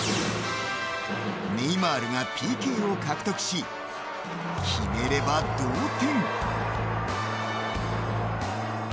ネイマールがＰＫを獲得し決めれば同点。